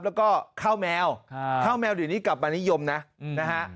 แล้วก็ข้าวแมวข้าวแมวเดี๋ยวนี้กลับมานิยมนะนะฮะ